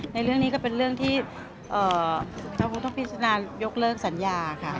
ในเรื่องนี้ก็เป็นเรื่องที่เขาคงต้องพิจารณายกเลิกสัญญาค่ะ